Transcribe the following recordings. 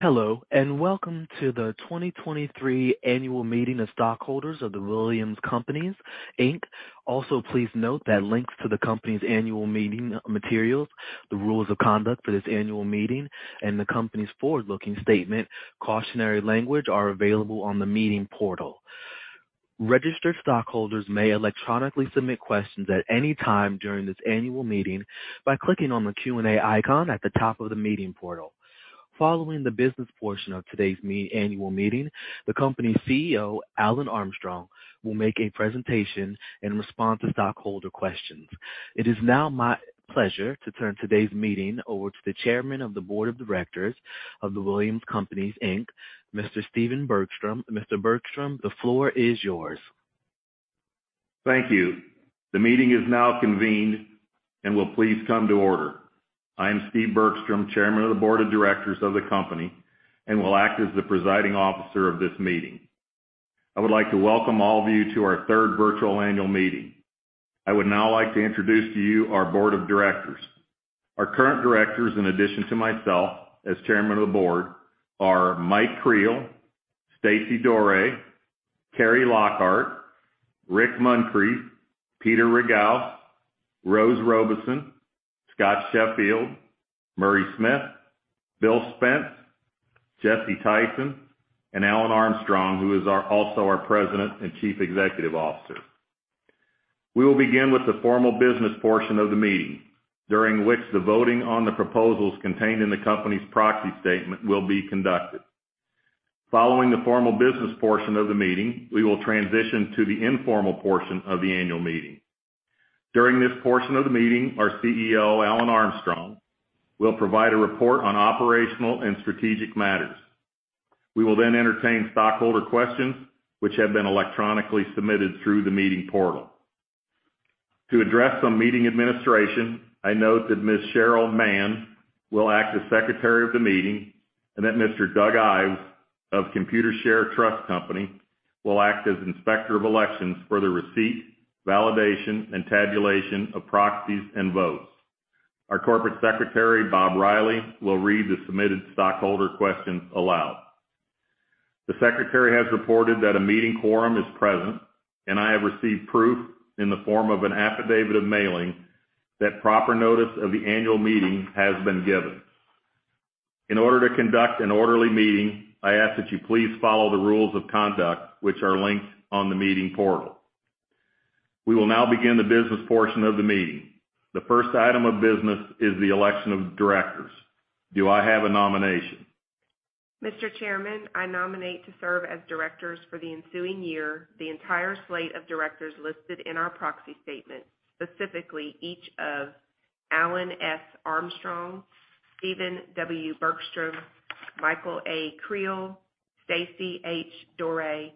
Hello, welcome to the 2023 annual meeting of stockholders of The Williams Companies, Inc. Please note that links to the company's annual meeting materials, the rules of conduct for this annual meeting, and the company's forward-looking statement cautionary language are available on the meeting portal. Registered stockholders may electronically submit questions at any time during this annual meeting by clicking on the Q&A icon at the top of the meeting portal. Following the business portion of today's annual meeting, the company's CEO, Alan Armstrong, will make a presentation and respond to stockholder questions. It is now my pleasure to turn today's meeting over to the Chairman of the Board of Directors of The Williams Companies, Inc., Mr. Stephen Bergstrom. Mr. Bergstrom, the floor is yours. Thank you. The meeting is now convened and will please come to order. I am Steve Bergstrom, Chairman of the Board of Directors of the company, and will act as the presiding officer of this meeting. I would like to welcome all of you to our third virtual annual meeting. I would now like to introduce to you our Board of Directors. Our current directors, in addition to myself as Chairman of the Board, are Mike Creel, Stacey Doré, Carri Lockhart, Richard Muncrief, Peter Ragauss, Rose Robeson, Scott Sheffield, Murray Smith, Will Spence, Jesse Tyson, and Alan Armstrong, who is also our President and Chief Executive Officer. We will begin with the formal business portion of the meeting, during which the voting on the proposals contained in the company's proxy statement will be conducted. Following the formal business portion of the meeting, we will transition to the informal portion of the annual meeting. During this portion of the meeting, our CEO, Alan Armstrong, will provide a report on operational and strategic matters. We will then entertain stockholder questions which have been electronically submitted through the meeting portal. To address some meeting administration, I note that Ms. Cheryl Mann will act as Secretary of the meeting and that Mr. Doug Ives of Computershare Trust Company will act as Inspector of Elections for the receipt, validation, and tabulation of proxies and votes. Our Corporate Secretary, Bob Riley, will read the submitted stockholder questions aloud. The Secretary has reported that a meeting quorum is present, and I have received proof in the form of an affidavit of mailing that proper notice of the annual meeting has been given. In order to conduct an orderly meeting, I ask that you please follow the rules of conduct which are linked on the meeting portal. We will now begin the business portion of the meeting. The first item of business is the election of directors. Do I have a nomination? Mr. Chairman, I nominate to serve as directors for the ensuing year the entire slate of directors listed in our proxy statement, specifically each of Alan S. Armstrong, Stephen W. Bergstrom, Michael A. Creel, Stacey H. Doré,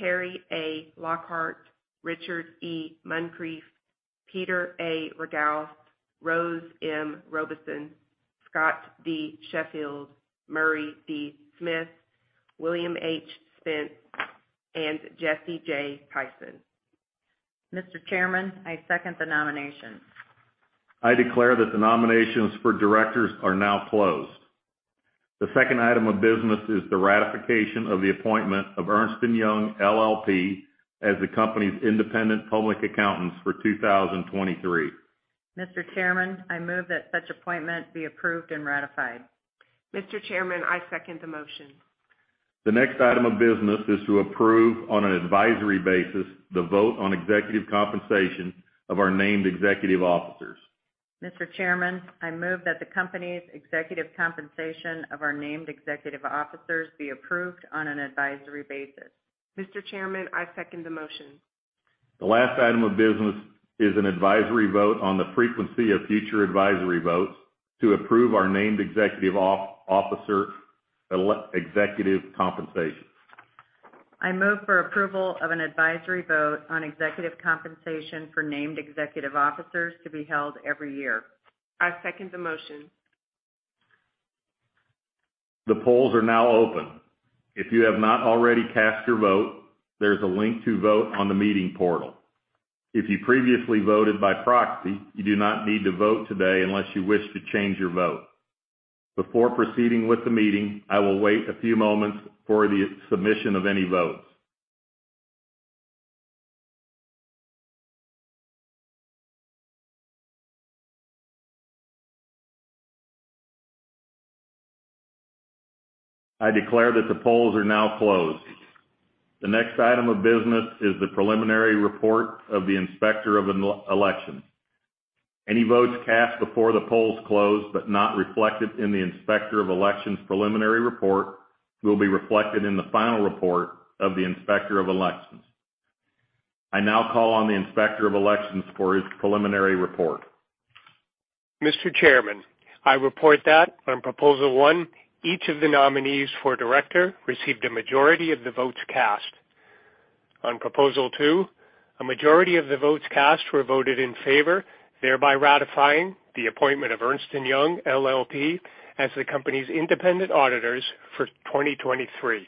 Carri A. Lockhart, Richard E. Muncrief, Peter A. Ragauss, Rose M. Robeson, Scott D. Sheffield, Murray D. Smith, William H. Spence, and Jesse J. Tyson. Mr. Chairman, I second the nomination. I declare that the nominations for directors are now closed. The second item of business is the ratification of the appointment of Ernst & Young LLP as the company's independent public accountants for 2023. Mr. Chairman, I move that such appointment be approved and ratified. Mr. Chairman, I second the motion. The next item of business is to approve on an advisory basis the vote on executive compensation of our named executive officers. Mr. Chairman, I move that the company's executive compensation of our named executive officers be approved on an advisory basis. Mr. Chairman, I second the motion. The last item of business is an advisory vote on the frequency of future advisory votes to approve our named executive compensation. I move for approval of an advisory vote on executive compensation for named executive officers to be held every year. I second the motion. The polls are now open. If you have not already cast your vote, there's a link to vote on the meeting portal. If you previously voted by proxy, you do not need to vote today unless you wish to change your vote. Before proceeding with the meeting, I will wait a few moments for the submission of any votes. I declare that the polls are now closed. The next item of business is the preliminary report of the Inspector of Elections. Any votes cast before the polls closed but not reflected in the Inspector of Elections' preliminary report will be reflected in the final report of the Inspector of Elections. I now call on the Inspector of Elections for his preliminary report. Mr. Chairman, I report that on proposal one, each of the nominees for director received a majority of the votes cast. On proposal two, a majority of the votes cast were voted in favor, thereby ratifying the appointment of Ernst & Young LLP as the company's independent auditors for 2023.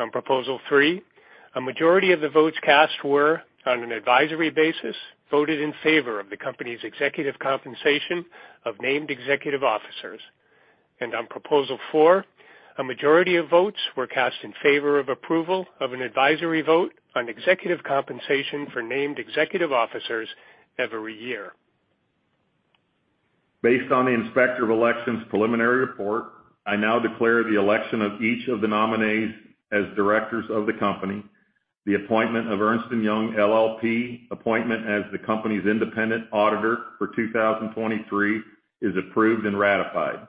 On proposal three, a majority of the votes cast were on an advisory basis, voted in favor of the company's executive compensation of named executive officers. On proposal four, a majority of votes were cast in favor of approval of an advisory vote on executive compensation for named executive officers every year. Based on the Inspector of Elections preliminary report, I now declare the election of each of the nominees as directors of the company. The appointment of Ernst & Young LLP, appointment as the company's independent auditor for 2023 is approved and ratified.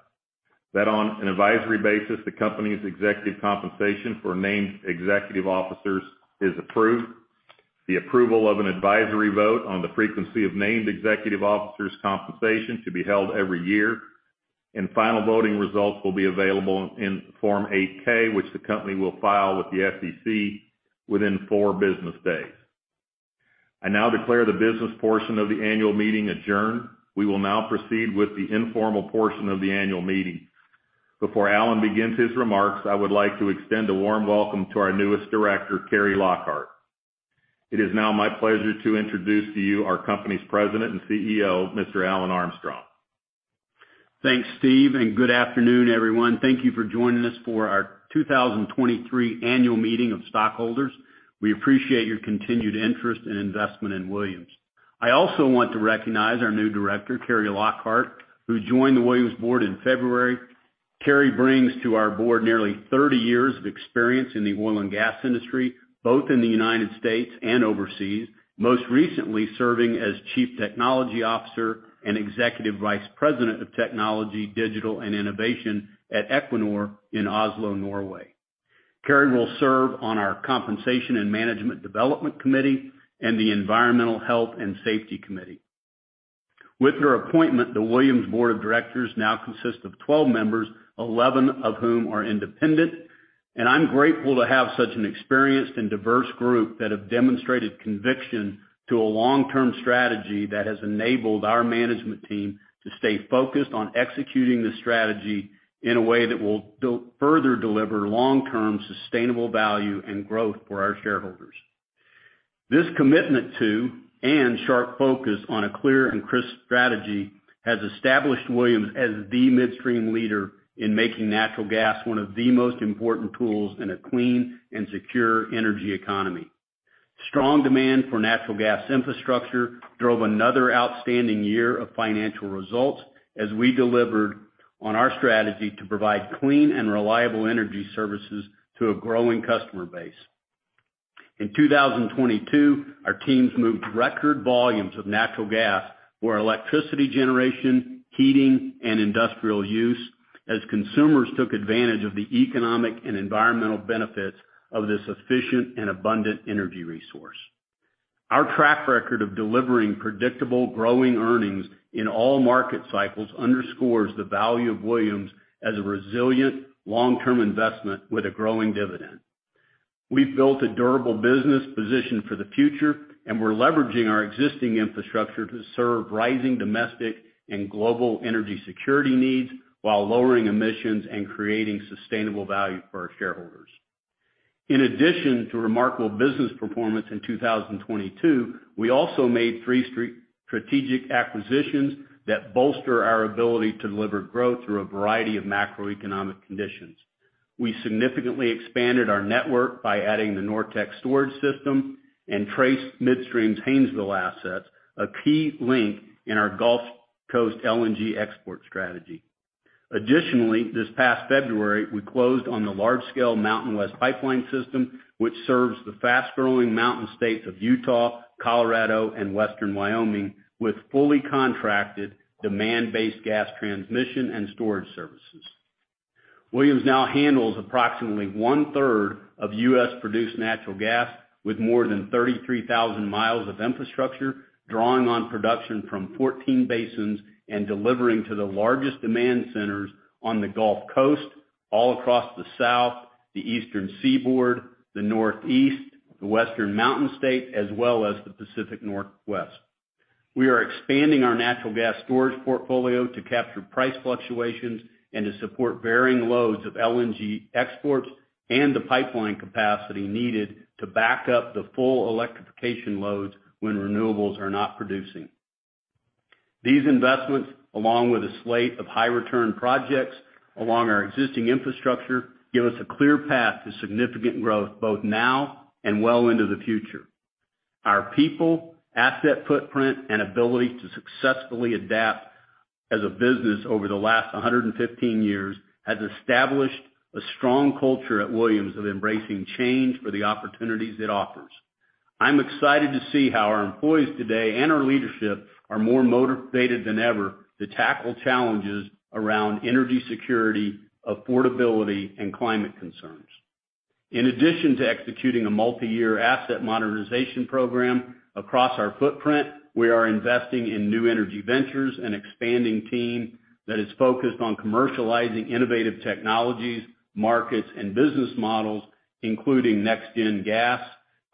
That on an advisory basis, the company's executive compensation for named executive officers is approved. The approval of an advisory vote on the frequency of named executive officers compensation to be held every year. Final voting results will be available in Form 8-K, which the company will file with the SEC within four business days. I now declare the business portion of the annual meeting adjourned. We will now proceed with the informal portion of the annual meeting. Before Alan begins his remarks, I would like to extend a warm welcome to our newest director, Carri Lockhart. It is now my pleasure to introduce to you our company's President and CEO, Mr. Alan Armstrong. Thanks, Steve. Good afternoon, everyone. Thank you for joining us for our 2023 annual meeting of stockholders. We appreciate your continued interest and investment in Williams. I also want to recognize our new Director, Carri Lockhart, who joined the Williams board in February. Carri brings to our board nearly 30 years of experience in the oil and gas industry, both in the United States and overseas, most recently serving as Chief Technology Officer and Executive Vice President of Technology, Digital, and Innovation at Equinor in Oslo, Norway. Carri will serve on our Compensation and Management Development Committee and the Environmental, Health and Safety Committee. With her appointment, the Williams Board of Directors now consists of 12 members, 11 of whom are independent, and I'm grateful to have such an experienced and diverse group that have demonstrated conviction to a long-term strategy that has enabled our management team to stay focused on executing the strategy in a way that will further deliver long-term sustainable value and growth for our shareholders. This commitment to, and sharp focus on a clear and crisp strategy has established Williams as the midstream leader in making natural gas one of the most important tools in a clean and secure energy economy. Strong demand for natural gas infrastructure drove another outstanding year of financial results as we delivered on our strategy to provide clean and reliable energy services to a growing customer base. In 2022, our teams moved record volumes of natural gas for electricity generation, heating, and industrial use as consumers took advantage of the economic and environmental benefits of this efficient and abundant energy resource. Our track record of delivering predictable, growing earnings in all market cycles underscores the value of Williams as a resilient, long-term investment with a growing dividend. We've built a durable business positioned for the future, and we're leveraging our existing infrastructure to serve rising domestic and global energy security needs while lowering emissions and creating sustainable value for our shareholders. In addition to remarkable business performance in 2022, we also made three strategic acquisitions that bolster our ability to deliver growth through a variety of macroeconomic conditions. We significantly expanded our network by adding the NorTex storage system and Trace Midstream's Haynesville assets, a key link in our Gulf Coast LNG export strategy. Additionally, this past February, we closed on the large-scale MountainWest Pipeline system, which serves the fast-growing mountain states of Utah, Colorado, and Western Wyoming with fully contracted demand-based gas transmission and storage services. Williams now handles approximately one-third of U.S.-produced natural gas with more than 33,000 mi of infrastructure, drawing on production from 14 basins and delivering to the largest demand centers on the Gulf Coast, all across the South, the Eastern Seaboard, the Northeast, the Western Mountain State, as well as the Pacific Northwest. We are expanding our natural gas storage portfolio to capture price fluctuations and to support varying loads of LNG exports and the pipeline capacity needed to back up the full electrification loads when renewables are not producing. These investments, along with a slate of high return projects along our existing infrastructure, give us a clear path to significant growth both now and well into the future. Our people, asset footprint, and ability to successfully adapt as a business over the last 115 years has established a strong culture at Williams of embracing change for the opportunities it offers. I'm excited to see how our employees today and our leadership are more motivated than ever to tackle challenges around energy security, affordability, and climate concerns. To executing a multi-year asset monetization program across our footprint, we are investing in New Energy Ventures and expanding team that is focused on commercializing innovative technologies, markets, and business models, including next-gen gas,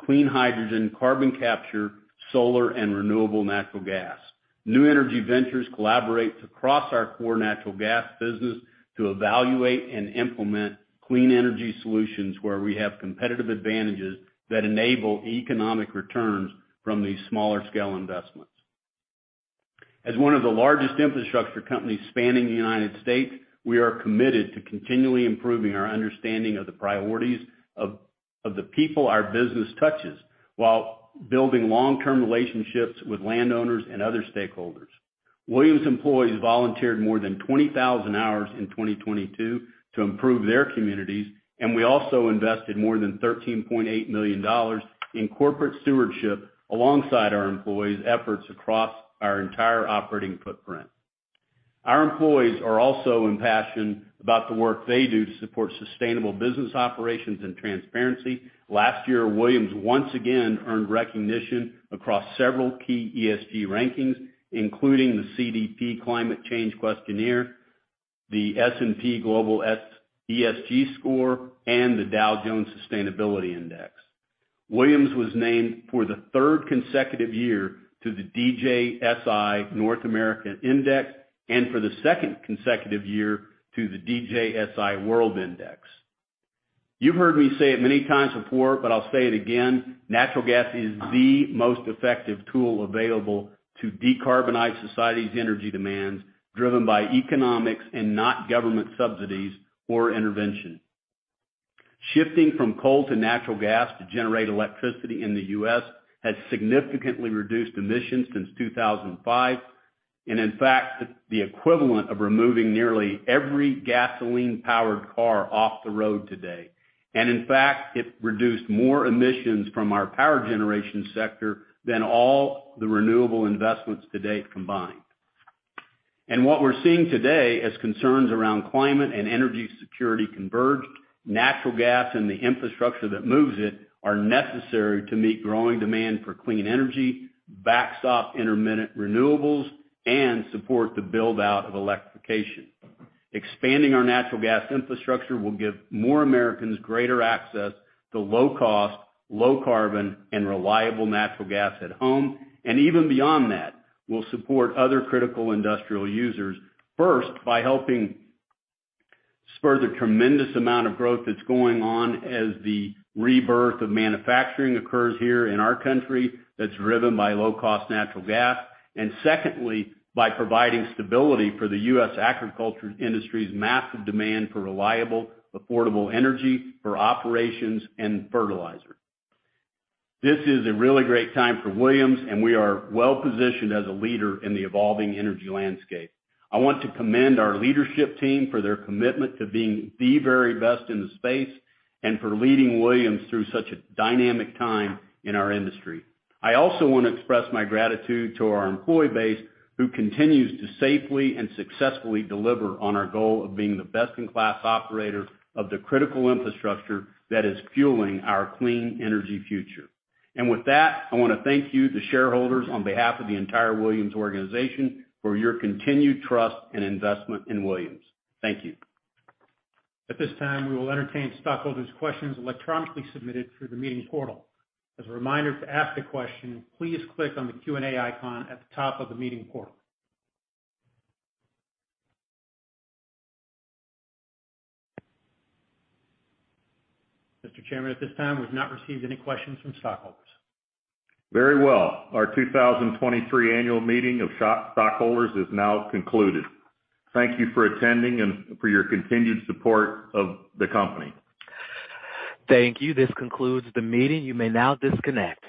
clean hydrogen, carbon capture, solar and renewable natural gas. New Energy Ventures collaborates across our core natural gas business to evaluate and implement clean energy solutions where we have competitive advantages that enable economic returns from these smaller scale investments. As one of the largest infrastructure companies spanning the United States, we are committed to continually improving our understanding of the priorities of the people our business touches, while building long-term relationships with landowners and other stakeholders. Williams employees volunteered more than 20,000 hours in 2022 to improve their communities. We also invested more than $13.8 million in corporate stewardship alongside our employees' efforts across our entire operating footprint. Our employees are also impassioned about the work they do to support sustainable business operations and transparency. Last year, Williams once again earned recognition across several key ESG rankings, including the CDP Climate Change Questionnaire, the S&P Global ESG Score, and the Dow Jones Sustainability Index. Williams was named for the third consecutive year to the DJSI North America Index and for the second consecutive year to the DJSI World Index. You've heard me say it many times before. I'll say it again, natural gas is the most effective tool available to decarbonize society's energy demands, driven by economics and not government subsidies or intervention. Shifting from coal to natural gas to generate electricity in the U.S. has significantly reduced emissions since 2005, in fact, the equivalent of removing nearly every gasoline-powered car off the road today. In fact, it reduced more emissions from our power generation sector than all the renewable investments to date combined. What we're seeing today as concerns around Climate and energy security converged, natural gas and the infrastructure that moves it are necessary to meet growing demand for clean energy, backstop intermittent renewables, and support the build-out of electrification. Expanding our natural gas infrastructure will give more Americans greater access to low-cost, low-carbon and reliable natural gas at home, and even beyond that, will support other critical industrial users. First, by helping spur the tremendous amount of growth that's going on as the rebirth of manufacturing occurs here in our country that's driven by low-cost natural gas. Secondly, by providing stability for the U.S. agriculture industry's massive demand for reliable, affordable energy for operations and fertilizer. This is a really great time for Williams, and we are well-positioned as a leader in the evolving energy landscape. I want to commend our leadership team for their commitment to being the very best in the space and for leading Williams through such a dynamic time in our industry. I also wanna express my gratitude to our employee base, who continues to safely and successfully deliver on our goal of being the best-in-class operator of the critical infrastructure that is fueling our clean energy future. With that, I wanna thank you, the shareholders, on behalf of the entire Williams organization for your continued trust and investment in Williams. Thank you. At this time, we will entertain stockholders' questions electronically submitted through the meeting portal. As a reminder, to ask a question, please click on the Q&A icon at the top of the meeting portal. Mr. Chairman, at this time, we've not received any questions from stockholders. Very well. Our 2023 annual meeting of stockholders is now concluded. Thank you for attending and for your continued support of the company. Thank you. This concludes the meeting. You may now disconnect.